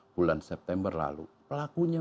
bulan september lalu pelakunya